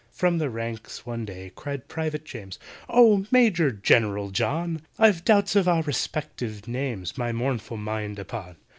From the ranks, one day, cried PRIVATE JAMES, "Oh! MAJOR GENERAL JOHN, I've doubts of our respective names, My mournful mind upon.